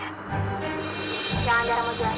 yang andara mau jelaskan sama kamu